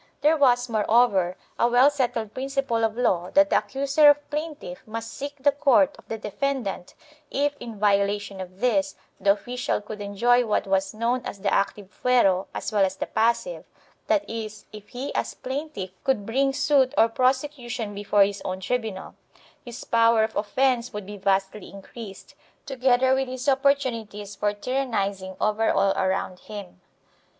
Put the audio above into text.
There was, more over, a well settled principle of law that the accuser or plaintiff must seek the court of the defendant; if, in violation of this, the official could enjoy what was known as the active fuero as well as the passive — that is, if he as plaintiff could bring suit or pros ecution before his own tribunal — his power of offence would be vastly increased, together with his opportunities for tyrannizing over all around him.